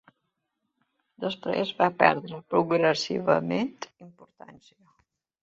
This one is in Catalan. Després va perdre progressivament importància.